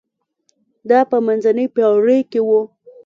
دا په منځنۍ پېړۍ کې و.